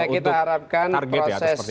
kita harapkan proses